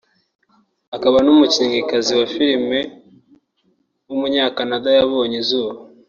akaba n’umukinnyikazi wa film w’umunya-Canada yabonye izuba